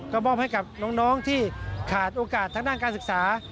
ก็มอบให้กับน้องที่ขาดโอกาสทางด้านการศึกษา